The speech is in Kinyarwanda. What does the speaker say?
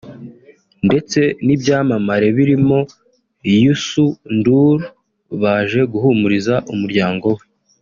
ndetse n’ibyamamare birimo Youssou N’Dour baje guhumuriza umuryango we